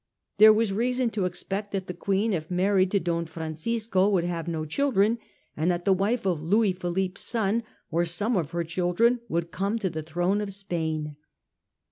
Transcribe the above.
There was rea son to expect that the Queen, if married to Don Francisco, would have no children, and that the wife of Louis Philippe's son, or some of her children, would come to the throne of Spain.